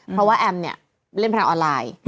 เพราะว่าแอมเนี่ยเล่นพนันออนไลน์